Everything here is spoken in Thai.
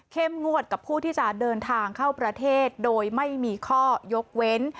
งวดกับผู้ที่จะเดินทางเข้าประเทศโดยไม่มีข้อยกเว้น